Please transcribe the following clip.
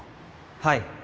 はい。